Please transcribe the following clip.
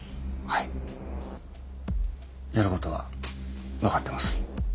やることは分かってます。